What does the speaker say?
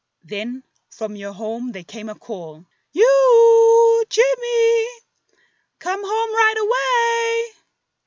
Then from your home there came a call— ''You Jim e e e e ! Come home right away."